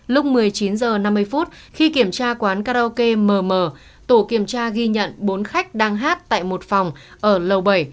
lúc một mươi chín h năm mươi khi kiểm tra quán karaoke mm tổ kiểm tra ghi nhận bốn khách đang hát tại một phòng ở lầu bảy